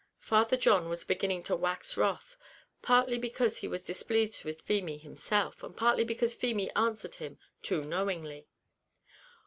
Father John was beginning to wax wroth, partly because he was displeased with Feemy himself, and partly because Feemy answered him too knowingly.